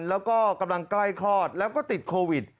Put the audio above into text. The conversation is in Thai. แล้วก็กำลังใกล้คลอดแล้วก็ติดโควิด